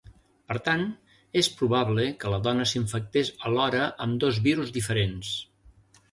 Per tant, és probable que la dona s’infectés alhora amb dos virus diferents.